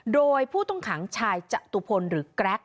โดยผู้ต้องขังชายจตุพลหรือแกรก